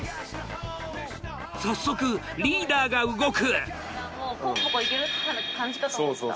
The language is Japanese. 早速リーダーが動く。